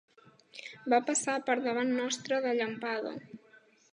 Va passar per davant nostre de llampada.